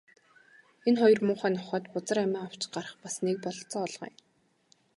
Энэ хоёр муухай нохойд бузар амиа авч гарах бас нэг бололцоо олгоё.